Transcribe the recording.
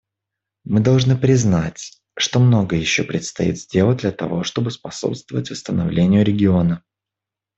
Мы должны признать, что многое еще предстоит сделать для того, чтобы способствовать восстановлению региона.